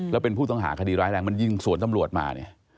แล้วเป็นผู้ต้องหาคดีร้ายแรงมันยิงสวนตำรวจมาเนี่ย